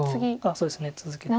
そうですね続けて。